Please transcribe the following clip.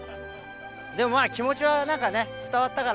でもまぁ気持ちは何かね伝わったから。